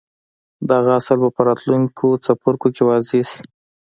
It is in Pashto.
دغه اصل به په راتلونکو څپرکو کې واضح شي.